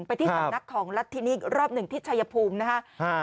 ไปที่สำนักของรัฐธินิกรอบหนึ่งที่ชายภูมินะฮะ